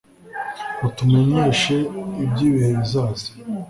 mutumenyeshe iby’ibihe bizaza,